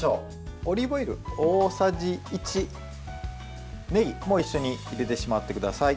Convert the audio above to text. オリーブオイル大さじ１ねぎも一緒に入れてしまってください。